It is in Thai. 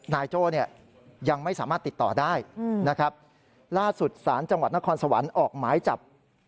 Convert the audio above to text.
นายโจ้ยังไม่สามารถติดต่อได้นะครับ